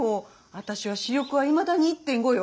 私は視力はいまだに１．５よ。